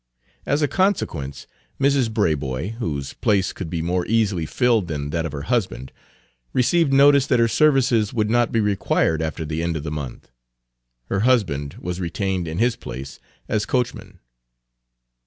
As a consequence, Mrs. Braboy, whose place could be more easily filled than that of her husband, received notice that her services would not be required after the end of the month. Her husband was retained in his place as coachman.